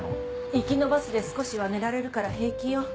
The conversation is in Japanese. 行きのバスで少しは寝られるから平気よ。